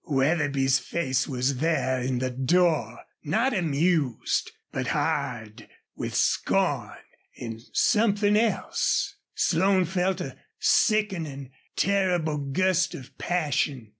Wetherby's face was there in the door, not amused, but hard with scorn and something else. Slone felt a sickening, terrible gust of passion.